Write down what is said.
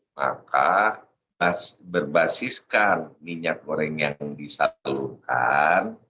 maka berbasiskan minyak goreng yang disalurkan